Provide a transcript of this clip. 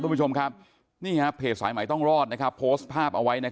เพจสายใหม่ต้องรอดภาพเอาไว้